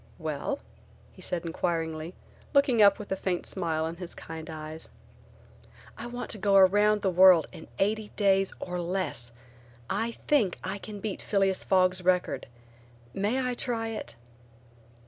"Well?" he said, inquiringly looking up with a faint smile in his kind eyes. "I want to go around in eighty days or less. I think I can beat Phileas Fogg's record. May I try it?"